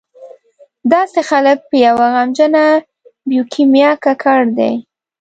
داسې خلک په یوه غمجنه بیوکیمیا ککړ دي.